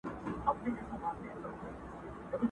یادونه: انځور، قادر خان کښلی دی٫